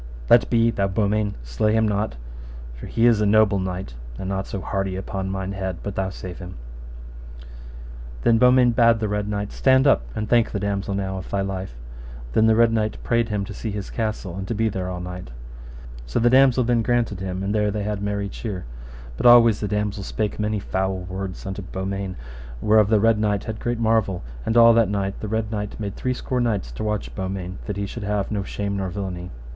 Let be, thou Beaumains, slay him not, for he is a noble knight, and not so hardy, upon thine head, but thou save him. Then Beaumains bade the Red Knight, Stand up, and thank the damosel now of thy life. Then the Red Knight prayed him to see his castle, and to be there all night. So the damosel then granted him, and there they had merry cheer. But always the damosel spake many foul words unto Beaumains, whereof the Red Knight had great marvel; and all that night the Red Knight made three score knights to watch Beaumains, that he should have no shame nor villainy.